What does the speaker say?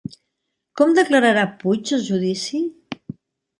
Com declararà Puig al judici?